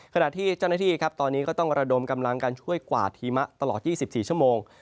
ขณะที่เจ้าหน้าที่ครับตอนนี้ก็ต้องระดมกำลังการช่วยกวาดหิมะตลอด๒๔ชั่วโมง